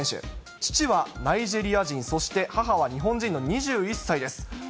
父はナイジェリア人、そして母は日本人の２１歳です。